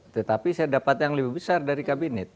tetapi saya dapat yang lebih besar dari kabinet